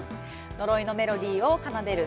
呪いのメロディーを奏でる